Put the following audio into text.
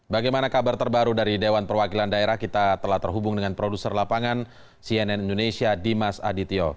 bagaimana kabar terbaru dari dewan perwakilan daerah kita telah terhubung dengan produser lapangan cnn indonesia dimas adityo